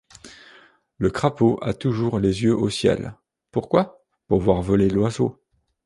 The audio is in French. Le crapaud a toujours les yeux au ciel ; pourquoi ? pour voir voler l’oiseau.